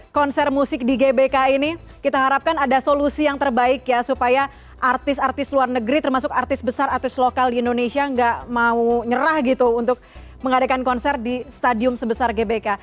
konser musik di gbk ini kita harapkan ada solusi yang terbaik ya supaya artis artis luar negeri termasuk artis besar artis lokal di indonesia nggak mau nyerah gitu untuk mengadakan konser di stadium sebesar gbk